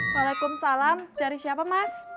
waalaikumsalam cari siapa mas